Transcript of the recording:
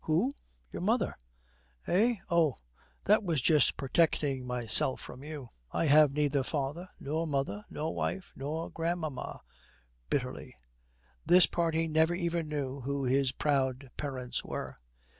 'Who?' 'Your mother.' 'Eh? Oh, that was just protecting myself from you. I have neither father nor mother nor wife nor grandmama.' Bitterly, 'This party never even knew who his proud parents were.'